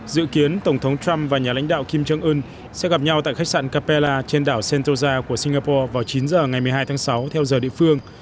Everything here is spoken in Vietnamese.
dự kiến tổng thống trump và nhà lãnh đạo kim jong un sẽ gặp nhau tại khách sạn capella trên đảo sentosa của singapore vào chín giờ ngày một mươi hai tháng sáu theo giờ địa phương